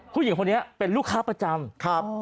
ผู้หญิงคนนี้เป็นลูกค้าประจำครับ